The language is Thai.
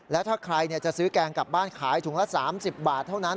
แล้วถ้าใครจะซื้อแกงกลับบ้านขายถุงละ๓๐บาทเท่านั้น